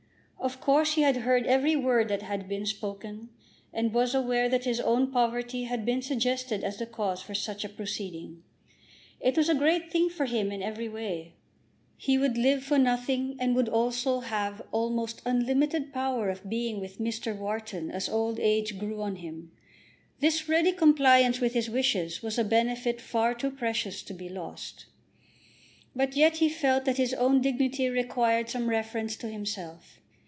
Of course he had heard every word that had been spoken, and was aware that his own poverty had been suggested as the cause for such a proceeding. It was a great thing for him in every way. He would live for nothing, and would also have almost unlimited power of being with Mr. Wharton as old age grew on him. This ready compliance with his wishes was a benefit far too precious to be lost. But yet he felt that his own dignity required some reference to himself.